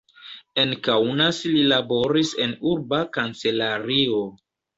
En Kaunas li laboris en urba kancelario.